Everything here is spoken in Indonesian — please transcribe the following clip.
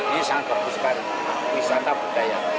ini sangat bagus sekali wisata budaya